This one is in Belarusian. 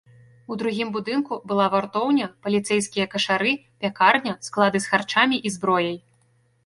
У другім будынку была вартоўня, паліцэйскія кашары, пякарня, склады з харчамі і зброяй.